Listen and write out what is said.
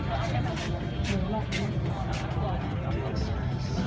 แม่กับผู้วิทยาลัย